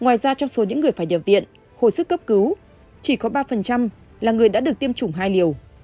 ngoài ra trong số những người phải nhập viện hồi sức cấp cứu chỉ có ba là người đã được tiêm chủng hai liều